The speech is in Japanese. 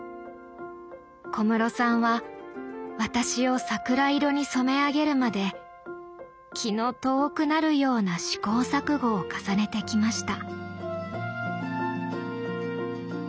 小室さんは私を桜色に染め上げるまで気の遠くなるような試行錯誤を重ねてきました。